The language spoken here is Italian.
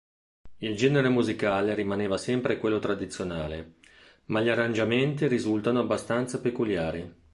Il genere musicale rimaneva sempre quello tradizionale, ma gli arrangiamenti risultano abbastanza peculiari.